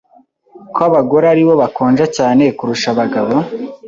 ko abagore ari bo bakonja cyane kurusha abagabo.